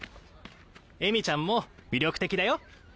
エミちゃんも魅力的だよ。